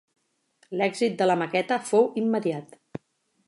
L'èxit de la maqueta fou immediat.